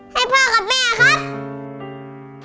ให้พ่อกับแม่ครับ